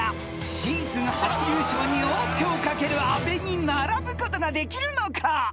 ［シーズン初優勝に王手をかける阿部に並ぶことができるのか？］